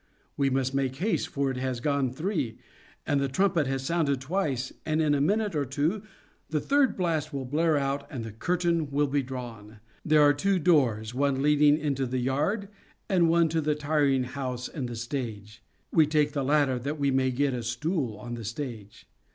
We must make haste, for it has gone three, and the trumpet has sounded twice, and in a minute or two the third blast will blare out and the curtain will be drawn. There are two doors — one leading into the yard and one to the " tiring " house and the stage. We take the latter, that SHAKESPEAREAN THEATRES 17 we may get a stool on the stage.